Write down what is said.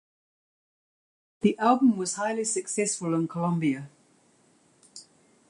The album was highly successful in Colombia.